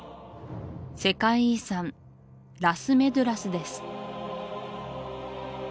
世界遺産ラス・メドゥラスです